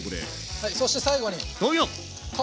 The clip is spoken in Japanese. はいそして最後に！